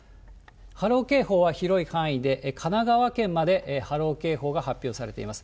波浪警報は広い範囲で神奈川県まで波浪警報が発表されています。